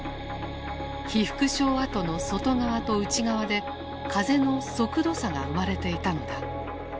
被服廠跡の外側と内側で風の速度差が生まれていたのだ。